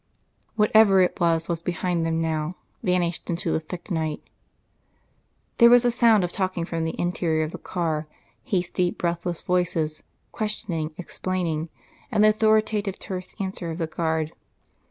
Whatever it was, was behind them now, vanished into the thick night. There was a sound of talking from the interior of the car, hasty, breathless voices, questioning, exclaiming, and the authoritative terse answer of the guard.